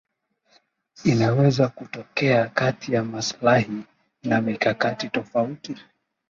inaweza kutokea kati ya maslahi na mikakati tofauti